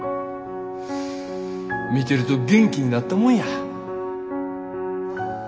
見てると元気になったもんや。